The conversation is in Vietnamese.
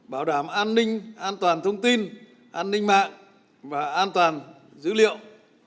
bảo đảm an ninh an toàn thông tin an ninh mạng và an toàn dữ liệu